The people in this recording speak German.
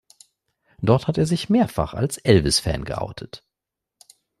Dort hat er sich mehrfach als Elvis-Fan geoutet.